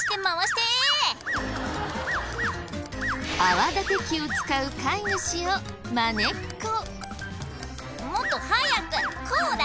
泡立て器を使う飼い主をまねっこ。